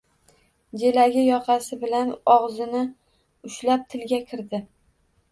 Jelagi yoqasi bilan og‘zini ushlab tilga kirdi.